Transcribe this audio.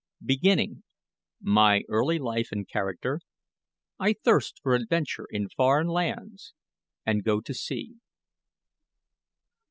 BEGINNING MY EARLY LIFE AND CHARACTER I THIRST FOR ADVENTURE IN FOREIGN LANDS, AND GO TO SEA.